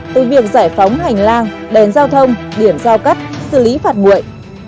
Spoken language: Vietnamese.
từ việc giải phóng hành lang đèn giao thông điểm giao cắt xử lý phạt nguội